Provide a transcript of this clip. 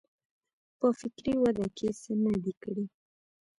په فکري وده کې څه نه دي کړي.